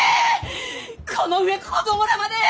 この上子供らまで！